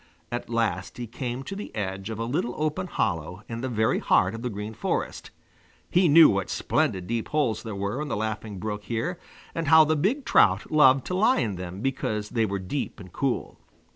At last he came to the edge of a little open hollow in the very heart of the Green Forest. He knew what splendid deep holes there were in the Laughing Brook here, and how the big trout loved to lie in them because they were deep and cool.